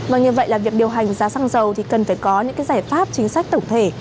vâng như vậy là việc điều hành giá xăng dầu thì cần phải có những cái giải pháp chính sách tổng thể